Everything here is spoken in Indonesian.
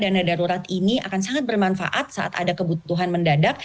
dan dana darurat ini akan sangat bermanfaat saat ada kebutuhan mendadak